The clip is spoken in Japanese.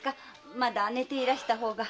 まだ寝ていらしたほうが。